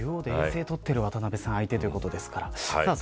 竜王で永世を取っている渡辺さん相手というですから。